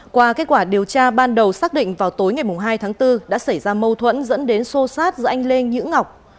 qua kết quả điều tra ban đầu xác định vào tối ngày hai tháng bốn đã xảy ra mâu thuẫn dẫn đến sô sát do anh lê nhữ ngọc